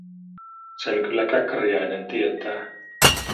Sen kyllä Käkriäinen tietää.